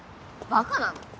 バカなの？